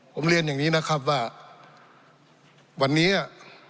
ผมเรียนอย่างนี้นะครับว่าวันนี้อ่ะ